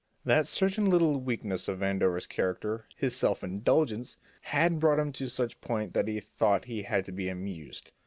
That certain little weakness of Vandover's character, his self indulgence, had brought him to such a point that he thought he had to be amused.